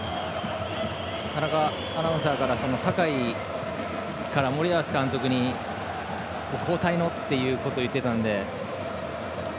先程田中アナウンサーから酒井から森保監督に交代のって言っていたので。